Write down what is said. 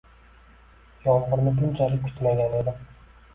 Yomg'irni bunchalik kutmagan edim.